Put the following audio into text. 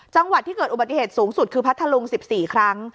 จังหวัดที่เกิดอุบัติเหตุสูงสุดคือพัทธลุง๑๔ครั้ง